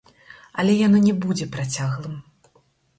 Але яно не будзе працяглым.